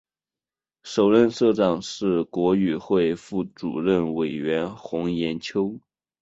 首任社长是国语会副主任委员洪炎秋。